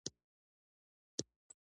پيښور د احمدشاه بابا د ژمي پايتخت وو